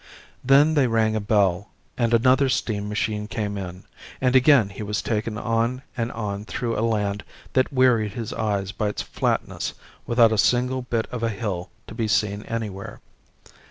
Then they rang a bell, and another steam machine came in, and again he was taken on and on through a land that wearied his eyes by its flatness without a single bit of a hill to be seen anywhere.